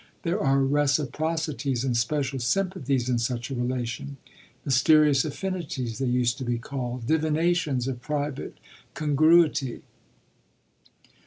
There are reciprocities and special sympathies in such a relation; mysterious affinities they used to be called, divinations of private congruity.